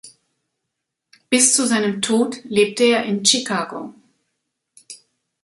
Bis zu seinem Tod lebte er in Chicago.